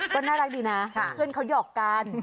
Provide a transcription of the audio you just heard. ก็น่ารักดีนะเพื่อนเขาหยอกกัน